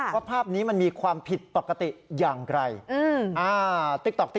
ภาพนี้มันมีความผิดปกติอย่างไร